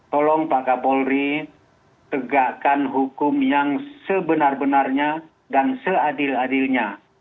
tolong pak kapolri tegakkan hukum yang sebenar benarnya dan seadil adilnya